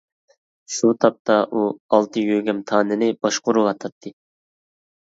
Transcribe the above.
شۇ تاپتا ئۇ ئالتە يۆگەم تانىنى باشقۇرۇۋاتاتتى.